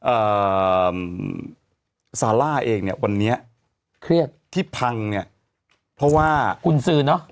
เอ่อซาร่าเองเนี่ยวันนี้เครียดที่พังเนี่ยเพราะว่ากุญสือเนอะ